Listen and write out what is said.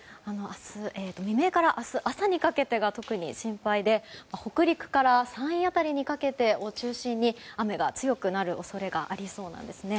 未明から明日朝にかけてが特に心配で北陸から山陰辺りにかけて雨が強くなる恐れがありそうなんですね。